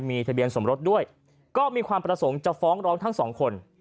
มีทะเบียนสมรสด้วยก็มีความประสงค์จะฟ้องร้องทั้งสองคน